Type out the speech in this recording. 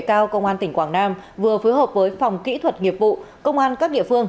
cao công an tỉnh quảng nam vừa phối hợp với phòng kỹ thuật nghiệp vụ công an các địa phương